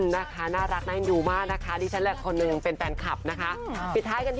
นะคะน่ารักน่าเอ็นดูมากนะคะดิฉันแหละคนหนึ่งยังเป็นแฟนคลับนะคะ